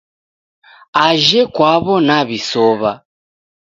Ajhe kwaw'o naw'isow'a